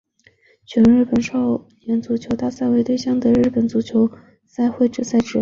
全日本少年足球大赛为对象的日本足球赛会制赛事。